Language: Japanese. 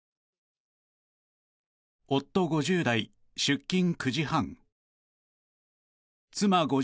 「夫５０代出勤９：３０」